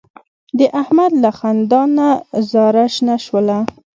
د احمد له خندا نه زاره شنه شوله.